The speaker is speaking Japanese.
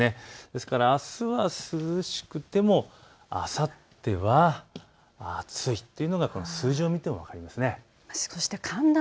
ですからあすは涼しくてもあさっては暑いというのが数字を見ても分かります。